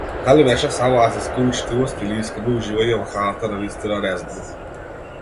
Дали беше само азиска учтивост или искрено уживање во храната навистина не знам.